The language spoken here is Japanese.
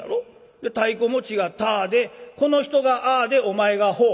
で太鼓持ちが『タァ』でこの人が『アァ』でお前が『ホォ』」。